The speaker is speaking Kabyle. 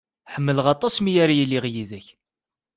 Ḥemmleɣ aṭas mi ara iliɣ yid-k.